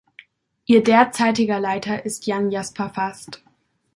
Ihr derzeitiger Leiter ist Jan-Jasper Fast.